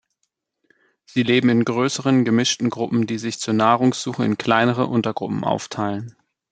Sie leben in größeren, gemischten Gruppen, die sich zur Nahrungssuche in kleinere Untergruppen aufteilen.